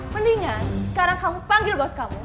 mendingan sekarang kamu panggil bos kamu